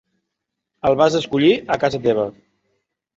El vas acollir a casa teva.